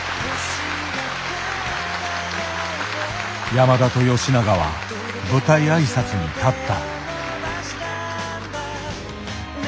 山田と吉永は舞台挨拶に立った。